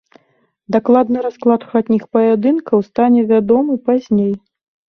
Дакладны расклад хатніх паядынкаў стане вядомы пазней.